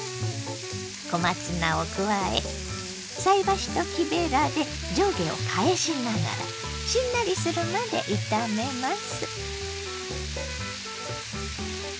小松菜を加え菜箸と木べらで上下を返しながらしんなりするまで炒めます。